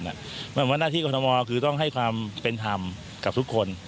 งั้นว่าหน้าที่กรกฎมคือต้องให้ความเป็นทำกับทุกคน